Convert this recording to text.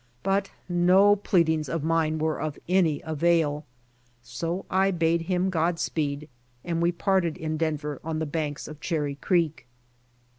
But no pleadings of mine were of any avail, so I bade hiini God speed and we parted in Denver on the banks of Cherry creek.